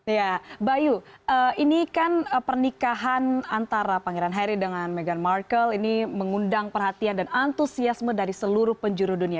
ya bayu ini kan pernikahan antara pangeran harry dengan meghan markle ini mengundang perhatian dan antusiasme dari seluruh penjuru dunia